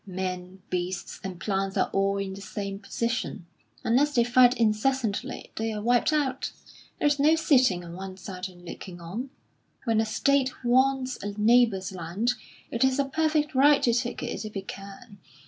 Men, beasts, and plants are all in the same position: unless they fight incessantly they're wiped out; there's no sitting on one side and looking on.... When a state wants a neighbour's land, it has a perfect right to take it if it can.